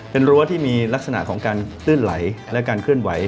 เป็นรั้วที่มีลักษณะของการตื้นไหลและการเคลื่อนไหว